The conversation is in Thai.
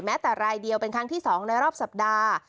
แต่รายเดียวเป็นครั้งที่๒ในรอบสัปดาห์